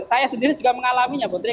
saya sendiri juga mengalaminya putri